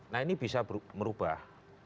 nah ini bisa berubah